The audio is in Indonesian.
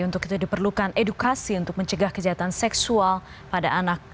untuk itu diperlukan edukasi untuk mencegah kejahatan seksual pada anak